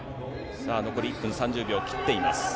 さあ残り１分３０秒切っています。